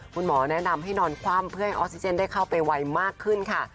คุณหมอแนะนำให้นอนคว่ำเพื่อให้ออกซิเจนได้เข้าไปไวมากขึ้นค่ะ